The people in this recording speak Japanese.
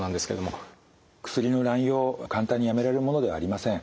薬の乱用簡単にやめられるものではありません。